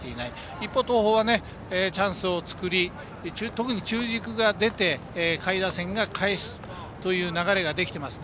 一方、東邦はチャンスを作り特に中軸が出て下位打線がかえすという流れができています。